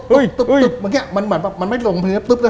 เหมือนแบบมันไม่ลงพื้น